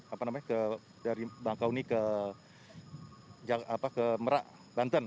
apa namanya dari bangkauni ke merak banten